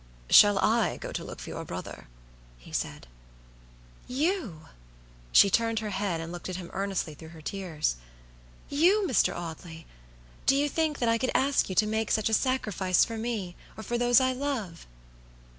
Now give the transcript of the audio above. "Shall I go to look for your brother?" he said. "You!" She turned her head, and looked at him earnestly through her tears. "You, Mr. Audley! Do you think that I could ask you to make such a sacrifice for me, or for those I love?"